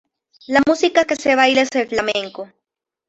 La música que se baila es el flamenco.